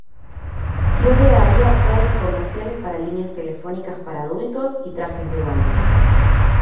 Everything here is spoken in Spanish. Fiore había actuado en comerciales para líneas telefónicas para adultos y trajes de baño.